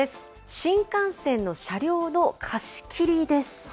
新幹線の車両の貸し切りです。